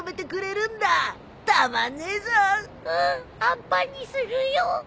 あんパンにするよ。